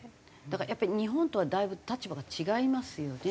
だからやっぱり日本とはだいぶ立場が違いますよね。